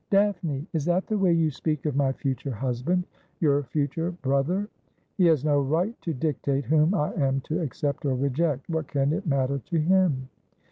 ' Daphne ! Is that the way you speak of my future husband — your future brother ?'' He has no right to dictate whom I am to accept or reject. What can it matter to him